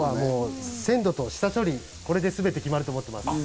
鮮度と下処理、これですべて決まると思っています。